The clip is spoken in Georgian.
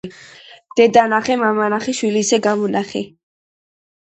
დედა ნახე მამა ნახე შვილი ისე გამონახე.